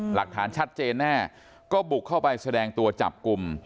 หลักฐานชัดเจนแน่ก็บุกเข้าไปแสดงตัวจับกลุ่ม